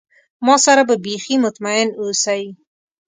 ما سره به بیخي مطمئن اوسی.